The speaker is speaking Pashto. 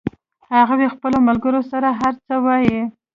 هغوی خپلو ملګرو سره هر څه وایي